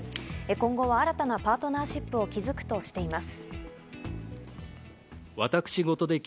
今後は新たなパートナーシップを築くとしています。